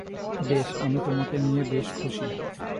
বেশ, আমি তোমাকে নিয়ে বেশ খুশি।